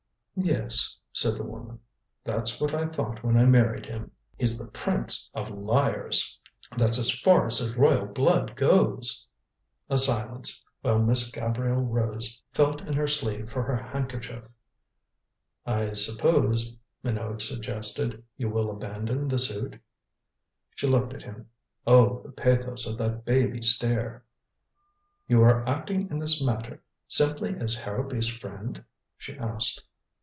"Yes," said the woman, "that's what I thought when I married him. He's the prince of liars that's as far as his royal blood goes." A silence, while Miss Gabrielle Rose felt in her sleeve for her handkerchief. "I suppose," Minot suggested, "you will abandon the suit " She looked at him. Oh, the pathos of that baby stare! "You are acting in this matter simply as Harrowby's friend?" she asked.